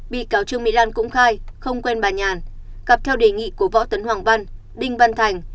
bị cáo trương mỹ lan cũng khai không quen bà nhàn cặp theo đề nghị của võ tấn hoàng văn đinh văn thành